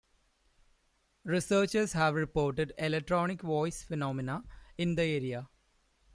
Researchers have reported electronic voice phenomena in the area.